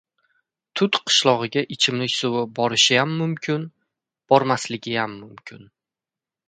Tut qishlogʻiga ichimlik suvi borishiyam mumkin, bormasligiyam mumkin.